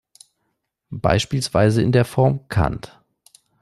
Beispielsweise in der Form "cand.